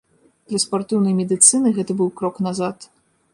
Для спартыўнай медыцыны гэта быў крок назад.